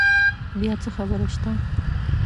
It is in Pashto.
بیا څه خبره شته؟